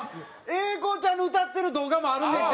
英孝ちゃんの歌ってる動画もあるねんて！